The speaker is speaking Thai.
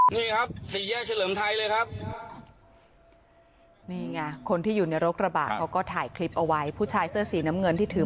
นี่แงะคนที่อยู่ในรถกระบาดเขาก็ถ่ายคลิปเอาไว้ผู้ชายเสื้อสีน้ำเงินที่ถือ